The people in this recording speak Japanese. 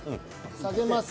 下げます。